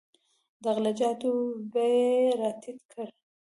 د غله جاتو بیې یې راټیټې کړې.